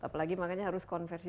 apalagi makanya harus konversi